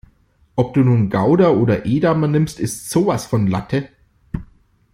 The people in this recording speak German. Ob du nun Gouda oder Edamer nimmst, ist sowas von Latte.